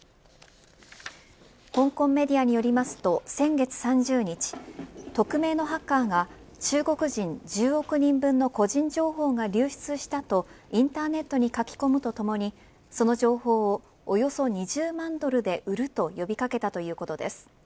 香港メディアによりますと先月３０日匿名のハッカーが中国人１０億人分の個人情報が流出したとインターネットに書き込むとともにその情報をおよそ２０万ドルで売ると呼び掛けたということです。